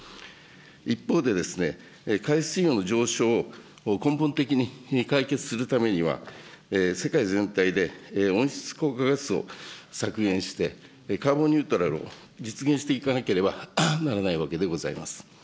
一方で、海水温の上昇を根本的に解決するためには、世界全体で温室効果ガスを削減して、カーボンニュートラルを実現していかなければならないわけでございます。